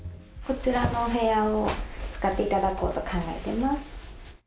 こちらのお部屋を使っていただこうと考えています。